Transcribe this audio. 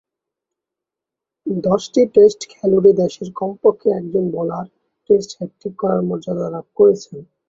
দশটি টেস্টখেলুড়ে দেশের কমপক্ষে একজন বোলার টেস্ট হ্যাট্রিক করার মর্যাদা লাভ করেছেন।